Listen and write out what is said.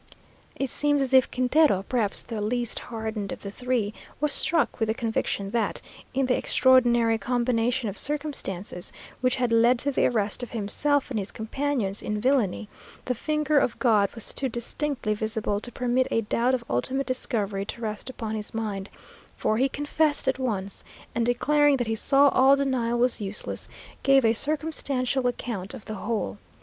It seems as if Quintero, perhaps the least hardened of the three, was struck with the conviction that, in the extraordinary combination of circumstances which had led to the arrest of himself and his companions in villany, the finger of God was too distinctly visible to permit a doubt of ultimate discovery to rest upon his mind, for he confessed at once, and declaring that he saw all denial was useless, gave a circumstantial account of the whole.